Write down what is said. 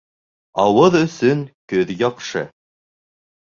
Ауыҙ өсөн көҙ яҡшы.